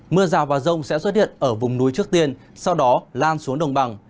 mưa rào và rông sẽ xuất hiện ở vùng núi trước tiên sau đó lan xuống đồng bằng